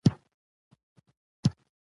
د مېلو له برکته ځیني زړې بازۍ بیا راژوندۍ کېږي.